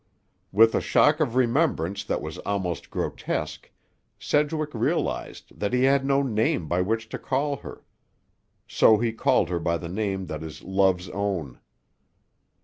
With a shock of remembrance that was almost grotesque, Sedgwick realized that he had no name by which to call her. So he called her by the name that is Love's own.